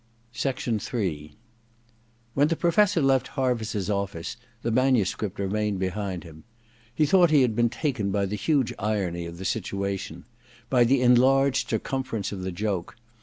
Ill When the Professor left Harviss*s office the manuscript remained behind. He thought he had been taken by the huge irony of the situa tion — by the enlarged circumference of the joke.